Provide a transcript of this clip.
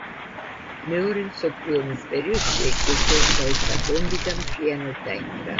მეორე მსოფლიო ომის პერიოდში ეკლესიას დაეცა ბომბი და მთლიანად დაინგრა.